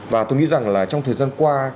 và tôi nghĩ rằng là trong thời gian qua